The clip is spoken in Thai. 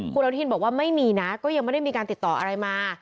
คุณอนุทินบอกว่าไม่มีนะก็ยังไม่ได้มีการติดต่ออะไรมา